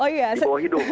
di bawah hidung